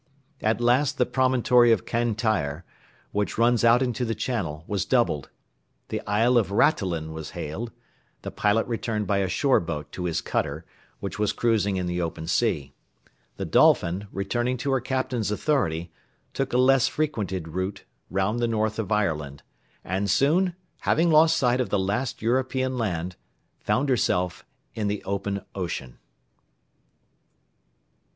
At last the promontory of Cantyre, which runs out into the channel, was doubled; the Isle of Rattelin was hailed, the pilot returned by a shore boat to his cutter, which was cruising in the open sea; the Dolphin, returning to her Captain's authority, took a less frequented route round the north of Ireland, and soon, having lost sight of the last European land, found herself in the open ocean.